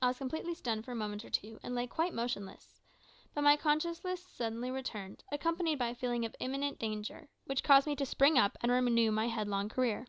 I was completely stunned for a moment or two, and lay quite motionless. But my consciousness suddenly returned, accompanied by a feeling of imminent danger, which caused me to spring up and renew my headlong career.